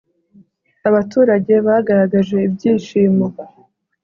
abaturage bagaraje ibyishimo